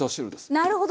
なるほど！